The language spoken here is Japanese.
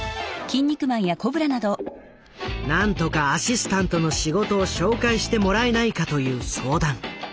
なんとかアシスタントの仕事を紹介してもらえないかという相談。